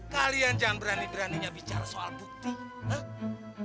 kalian jangan berani beraninya bicara soal bukti